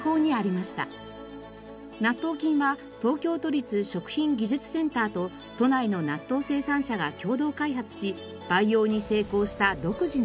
納豆菌は東京都立食品技術センターと都内の納豆生産者が共同開発し培養に成功した独自のもの。